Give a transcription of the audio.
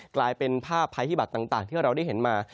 กลายเป็นภาพภัยพิบัตรต่างที่เราได้เห็นมา